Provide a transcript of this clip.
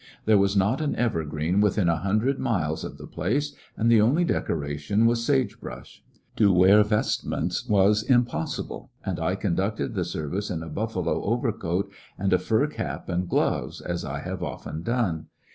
There was not an evergreen within a hundred miles of the place, and the only decoration was sage brush. To wear vestments was impossible, and I con ducted the service in a buffalo overcoat and a fur cap and gloves, as I have often done.